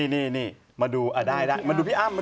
นี่มาดูอ่ะได้ดูพี่อ้าม